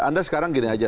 anda sekarang gini aja